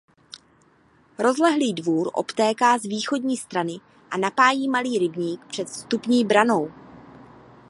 Rozlehlý dvůr obtéká z východní strany a napájí malý rybník před vstupní branou.